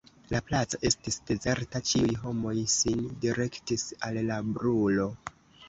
La placo estis dezerta: ĉiuj homoj sin direktis al la brulo.